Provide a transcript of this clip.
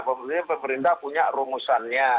tentunya pemerintah punya rumusannya